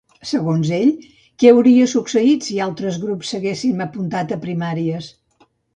Segons ell, què hauria succeït si els altres grups s'haguessin apuntat a Primàries?